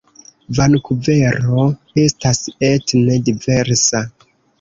Vankuvero estas etne diversa.